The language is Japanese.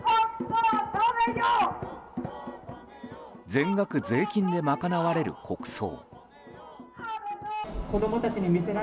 全額税金で賄われる国葬。